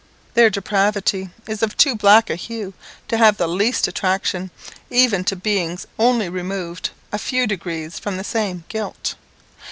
Their depravity is of too black a hue to have the least attraction, even to beings only removed a few degrees from the same guilt.